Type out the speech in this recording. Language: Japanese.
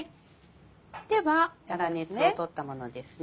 では粗熱をとったものですね。